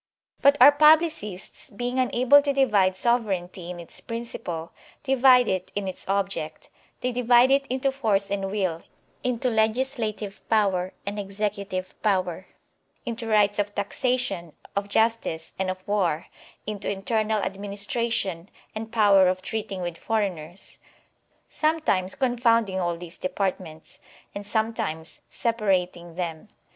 But our publicists, being unable to divide sovereignty in its principle, divide it in its object They divide it into force and will, into legislative power and executive power; into rights of taxation, of justice, and of war; into internal administration and power of treating with foreigners — sometimes confounding all these departments, and sometimes separating them.